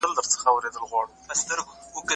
د وینې معاینه لوړه کچه ښودلې.